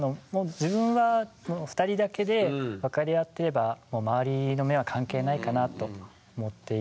自分は２人だけで分かり合っていればもう周りの目は関係ないかなと思っていますね。